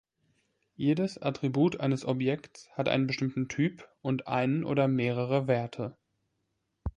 Jedes Attribut eines Objekts hat einen bestimmten Typ und einen oder mehrere Werte.